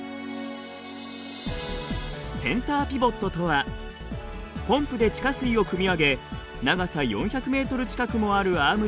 センターピボットとはポンプで地下水をくみ上げ長さ４００ｍ近くもあるアームに送り